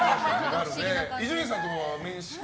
伊集院さんとは面識は？